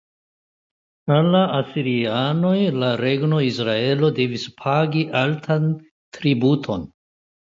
Al la asirianoj la regno Izraelo devis pagi altan tributon.